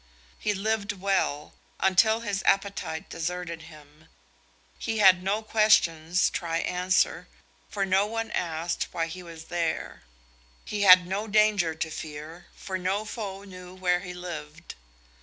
He lived well until his appetite deserted him; he had no questions try answer, for no one asked why he was there; he had no danger to fear, for no foe knew where he lived.